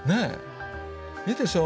いいでしょ